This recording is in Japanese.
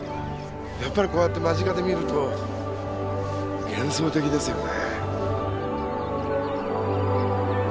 やっぱりこうやって間近で見ると幻想的ですよね。